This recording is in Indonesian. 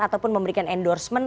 ataupun memberikan endorsement